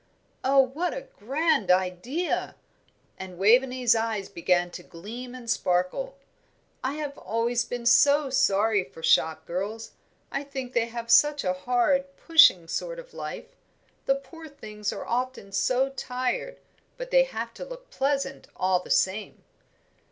"Oh, what a grand idea!" and Waveney's eyes began to gleam and sparkle. "I have always been so sorry for shop girls. I think they have such a hard, pushing sort of life. The poor things are often so tired, but they have to look pleasant all the same."